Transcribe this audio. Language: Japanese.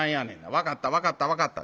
分かった分かった分かった。